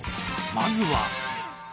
まずは。